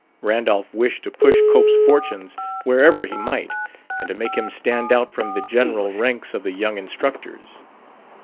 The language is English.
Randolph wished to push Cope's fortunes wherever he might, and to make him stand out from the general ranks of the young instructors.